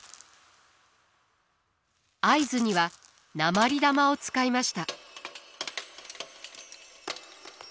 合図には鉛玉を使いました。